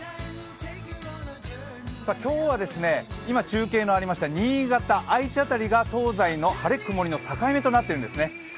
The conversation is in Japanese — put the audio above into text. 今日は今、中継のありました新潟、愛知辺りが東西の晴れ・曇りの境目となっているんですね。